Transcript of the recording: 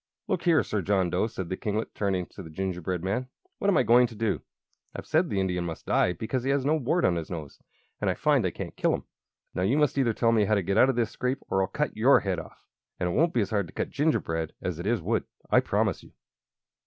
"Look here, Sir John Dough," said the kinglet, turning to the gingerbread man; "what am I going to do? I've said the Indian must die, because he has no wart on his nose. And I find I can't kill him. Now, you must either tell me how to get out of this scrape or I'll cut your head off! And it won't be as hard to cut gingerbread as it is wood, I promise you."